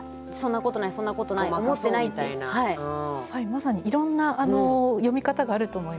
まさにいろんな読み方があると思います。